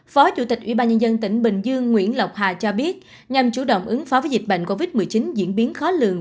phó chủ tịch ubnd tỉnh bình dương nguyễn lộc hà cho biết nhằm chủ động ứng phó với dịch bệnh covid một mươi chín diễn biến khó lường